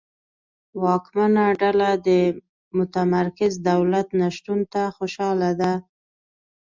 واکمنه ډله د متمرکز دولت نشتون ته خوشاله ده.